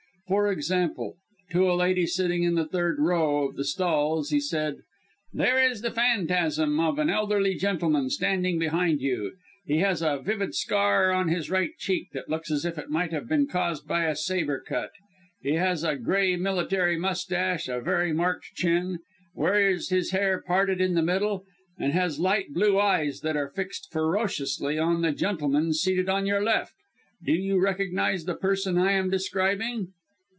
For example: To a lady sitting in the third row of the stalls, he said: "There is the phantasm of an elderly gentleman standing behind you. He has a vivid scar on his right cheek that looks as if it might have been caused by a sabre cut. He has a grey military moustache, a very marked chin; wears his hair parted in the middle, and has light blue eyes that are fixed ferociously on the gentleman seated on your left. Do you recognize the person I am describing?"